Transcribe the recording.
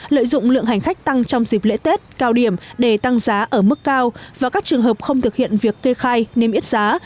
lợi dụng lượng hành khách tăng trong dịp lễ tết cao điểm để tăng giá ở mức cao và các trường hợp không thực hiện việc kê khai niêm yết giá